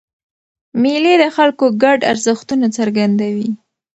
مېلې د خلکو ګډ ارزښتونه څرګندوي.